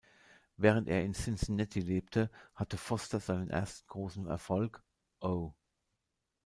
Während er in Cincinnati lebte, hatte Foster seinen ersten großen Erfolg, "Oh!